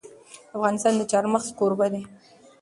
افغانستان د چار مغز کوربه دی.